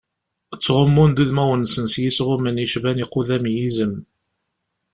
Ttɣummun-d udmawen-nsen s yisɣumen yecban iqudam n yizem.